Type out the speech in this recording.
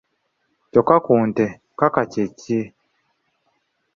Kyokka ku nte kaka kye ki?